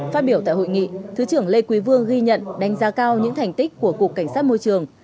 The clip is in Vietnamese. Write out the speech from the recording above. phát biểu tại hội nghị thứ trưởng lê quý vương ghi nhận đánh giá cao những thành tích của cục cảnh sát môi trường